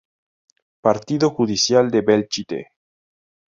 Partido judicial de Belchite.